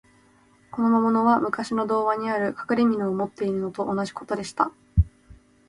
この魔物は、むかしの童話にある、かくれみのを持っているのと同じことでした。